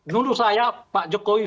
dulu saya pak jokowi